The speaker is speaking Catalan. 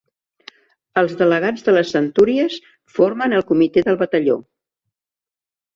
Els delegats de les centúries, formen el Comitè del Batalló.